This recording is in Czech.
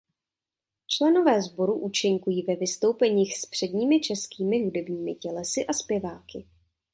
Členové sboru účinkují ve vystoupeních s předními českými hudebními tělesy a zpěváky.